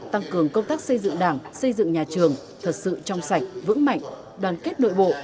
tăng cường công tác xây dựng đảng xây dựng nhà trường thật sự trong sạch vững mạnh đoàn kết nội bộ